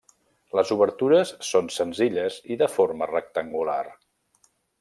Les obertures són senzilles i de forma rectangular.